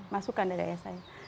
masukkan dari ayah saya